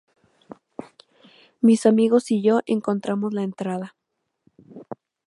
Mis amigos y yo encontramos la entrada.